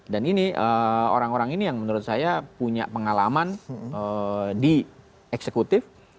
dan ini orang orang ini yang menurut saya punya pengalaman di eksekutif